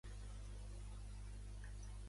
El rei ve de Déu; la llei, del rei.